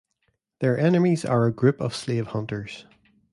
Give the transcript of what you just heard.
Their enemies are a group of slave hunters.